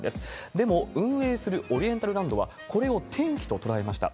でも、運営するオリエンタルランドは、これを転機と捉えました。